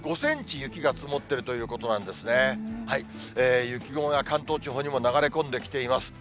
雪雲が関東地方にも流れ込んできています。